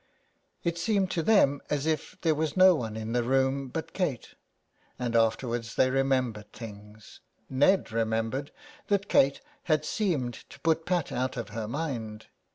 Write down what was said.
It seemed to them as if there was no one in the room but Kate ; and afterwards they remembered things. Ned remembered that Kate had seemed to put Pat out of her mind.